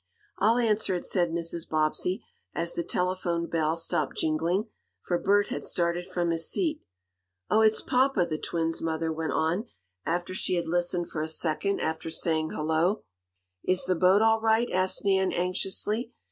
"I'll answer it," said Mrs. Bobbsey, as the telephoned bell stopped jingling, for Bert had started from his seat. "Oh, it's papa," the twins' mother went on, after she had listened for a second after saying "Hello!" "Is the boat all right?" asked Nan, anxiously.